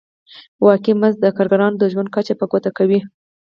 واقعي مزد د کارګرانو د ژوند کچه په ګوته کوي